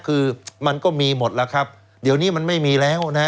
คือมันก็มีหมดแล้วครับเดี๋ยวนี้มันไม่มีแล้วนะฮะ